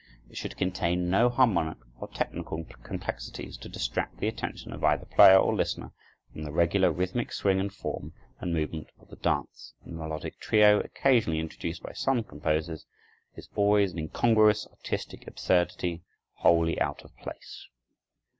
It should contain no harmonic or technical complexities to distract the attention of either player or listener from the regular rhythmic swing and form and movement of the dance; and the melodic trio, occasionally introduced by some composers, is always an incongruous artistic absurdity, wholly out of place.